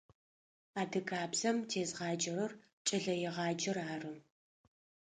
Адыгабзэм тезгъаджэрэр кӏэлэегъаджэр ары.